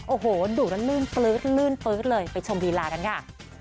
โอ้โหดูแล้วลื่นปลื๊ดเลยไปชมฟีลากันค่ะ